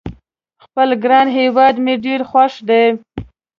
خپل ګران هیواد مې ډېر خوښ ده